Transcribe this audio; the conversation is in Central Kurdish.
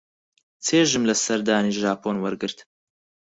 چێژم لە سەردانی ژاپۆن وەرگرت.